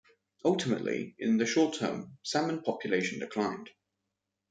Ultimately, in the short term, salmon population declined.